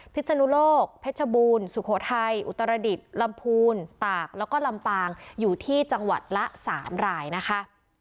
ศนุโลกเพชรบูรณ์สุโขทัยอุตรดิษฐ์ลำพูนตากแล้วก็ลำปางอยู่ที่จังหวัดละ๓รายนะคะ